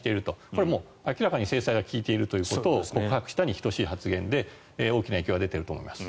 これはもう明らかに制裁が効いているということを告白したに等しい発言で大きな影響は出ていると思います。